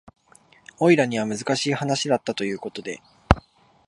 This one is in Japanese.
オイラには難しい話だったということで